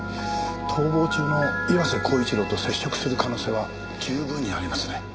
逃亡中の岩瀬厚一郎と接触する可能性は十分にありますね。